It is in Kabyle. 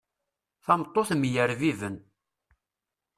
Tameṭṭut mm yerbiben.